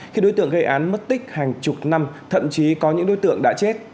khi đối tượng gây án mất tích hàng chục năm thậm chí có những đối tượng đã chết